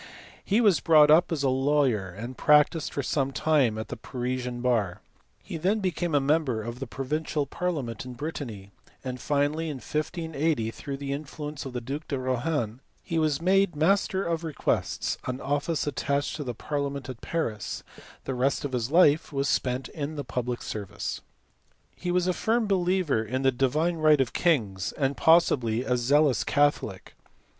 He was brought up as a lawyer and practised for some time at the Parisian bar; he then became a member of the pro vincial parliament in Brittany; and finally in 1580 through the influence of the duke de Rohan he was made master of requests, an office attached to the parliament at Paris; the rest of his life was spent in the public service. He was a firm believer in the right divine of kings, and probably a zealous catholic.